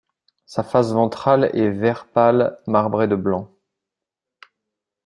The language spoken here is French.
Sa face ventrale est vert pâle marbré de blanc.